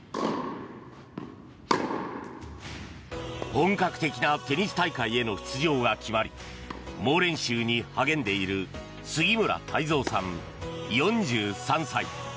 本格的なテニス大会への出場が決まり猛練習に励んでいる杉村太蔵さん、４３歳。